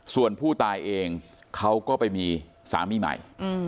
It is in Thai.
ส่วนผู้ตายเองเขาก็ไปมีสามีใหม่